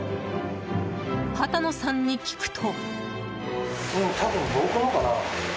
畑野さんに聞くと。